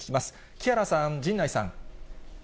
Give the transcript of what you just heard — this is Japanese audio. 木原さん、陣内さん。